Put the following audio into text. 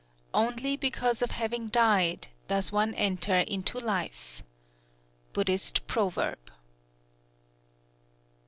"Only because of having died, does one enter into life." _Buddhist proverb.